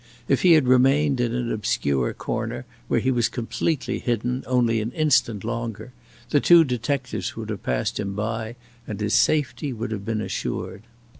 If he had remained in an obscure corner, where he was completely hidden, only an instant longer, the two detectives would have passed him by and his safety would have been assured.